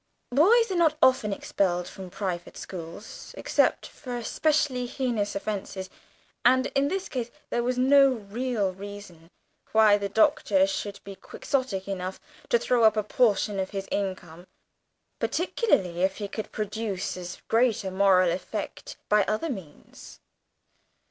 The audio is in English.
Boys are not often expelled from private schools, except for especially heinous offences, and in this case there was no real reason why the Doctor should be Quixotic enough to throw up a portion of his income particularly if he could produce as great a moral effect by other means.